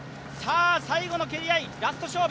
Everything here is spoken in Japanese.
最後の蹴り合い、ラスト勝負。